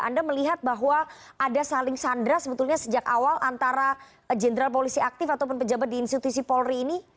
anda melihat bahwa ada saling sandra sebetulnya sejak awal antara jenderal polisi aktif ataupun pejabat di institusi polri ini